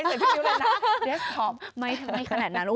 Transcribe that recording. ส่วนพี่พิวแหละนะเดสตอปไม่ทำให้ขนาดนั้น